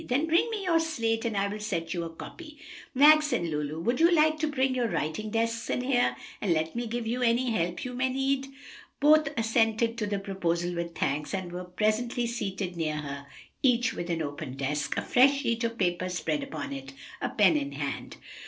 "Then bring me your slate, and I will set you a copy. Max and Lulu, would you like to bring your writing desks in here, and let me give you any help you may need?" Both assented to the proposal with thanks, and were presently seated near her, each with open desk, a fresh sheet of paper spread out upon it, and pen in hand.